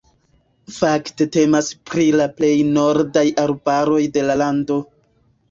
Fakte temas pri la plej nordaj arbaroj de la lando.